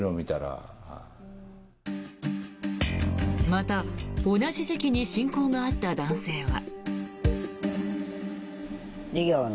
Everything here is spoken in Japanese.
また同じ時期に親交があった男性は。